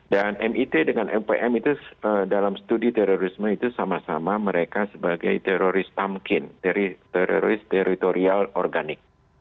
dan mit dengan opm itu dalam studi terorisme itu sama sama mereka sebagai teroris tamkin teroris teritorial organik